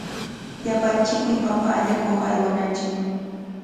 Llapanchikmi papa allakuq aywananchik.